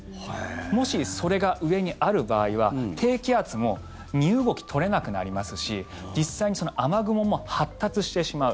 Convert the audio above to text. もし、それが上にある場合は低気圧も身動き取れなくなりますし実際に雨雲も発達してしまう。